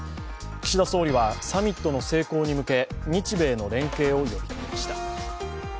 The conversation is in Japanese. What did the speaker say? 岸田総理はサミットの成功に向け日米の連携を呼びかけました。